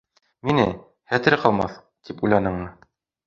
Мине, хәтере ҡалмаҫ, тип уйланыңмы?